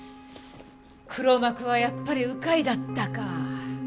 黒幕はやっぱり鵜飼だったか。